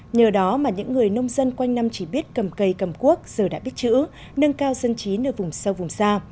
nhờ đó mà những người nông dân quanh năm chỉ biết cầm cây cầm cuốc giờ đã biết chữ nâng cao dân trí nơi vùng sâu vùng xa